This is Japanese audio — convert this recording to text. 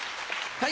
はい。